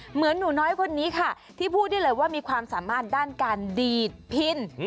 เหมือนหนูน้อยคนนี้ค่ะที่พูดได้เลยว่ามีความสามารถด้านการดีดพิน